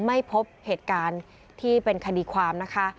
ไม่พบเหตุการณ์ที่เป็นคดีความนะคะ